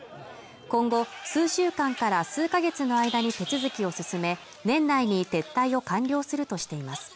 今後数週間から数か月の間に手続きを進め年内に撤退を完了するとしています